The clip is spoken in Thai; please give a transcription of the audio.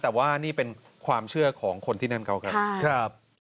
แต่ว่านี่เป็นความเชื่อของคนที่นั่นเขาครับ